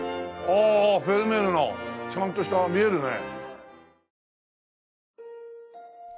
ああフェルメールのちゃんとした見えるね。